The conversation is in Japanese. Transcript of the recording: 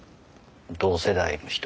同世代の人は。